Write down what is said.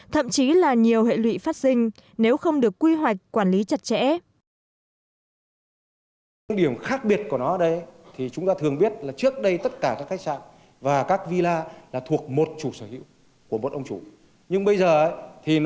thậm chí là nhiều hệ lụy phát sinh nếu không được quy hoạch quản lý chặt chẽ